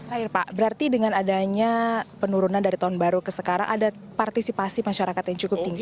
terakhir pak berarti dengan adanya penurunan dari tahun baru ke sekarang ada partisipasi masyarakat yang cukup tinggi